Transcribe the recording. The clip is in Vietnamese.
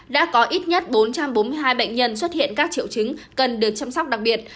đã có ít nhất bốn trăm bốn mươi hai bệnh nhân xuất hiện các triệu chứng cần được chăm sóc đặc biệt